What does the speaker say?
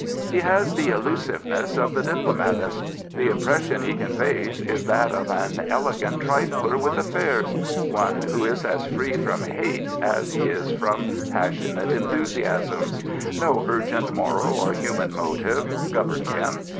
He has the elusiveness of the diplomatist. The impression he conveys is that of an ele^nt trifier with affairs, one who is as free from hates as he is from passionate enthusiasms. No urgent moral or human motive governs him.